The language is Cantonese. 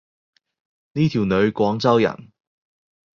呢條女廣州人